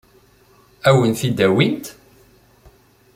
Ad wen-t-id-awint?